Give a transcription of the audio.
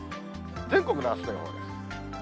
全国のあすの予報です。